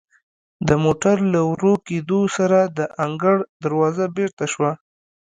د موټر له ورو کیدو سره د انګړ دروازه بیرته شوه.